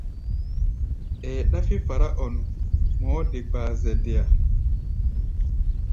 Ɛɛ ɗáfí fará-ɔ-nu, mɔɔ́ de kpaa zɛ deá.